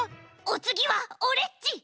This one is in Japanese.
おつぎはオレっち！